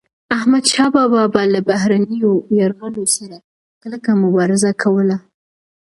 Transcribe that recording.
احمدشاه بابا به له بهرنيو یرغلګرو سره کلکه مبارزه کوله.